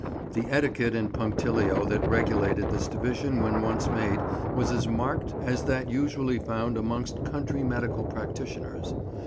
The etiquette and punctilio that regulated this division when once made, was as marked as that usually found amongst country medical practitioners.